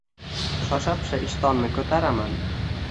Shosha-pisha ishtonni ko‘taraman.